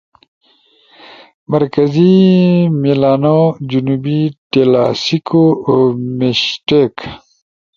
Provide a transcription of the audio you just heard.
مرکزی میلانؤ، جنوبی ٹیلاسیکو میشٹیک